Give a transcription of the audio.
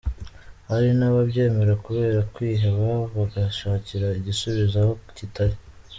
Hari n’ababyemera kubera kwiheba bagashakira igisubizo aho kitari.